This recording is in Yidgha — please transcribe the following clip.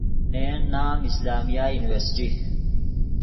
نے ین نام اسلامیہ یورنیورسٹی